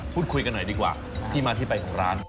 พูดคุยกันหน่อยดีกว่าที่มาที่ไปของร้าน